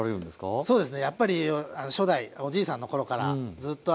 そうですね。